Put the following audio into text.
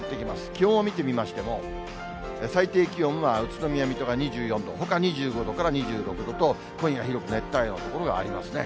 気温を見てみましても、最低気温は宇都宮、水戸が２４度、ほか２５度から２６度と、今夜広く熱帯夜の所がありますね。